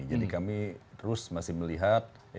jadi kami terus masih melihat